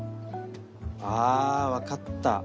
あ分かった。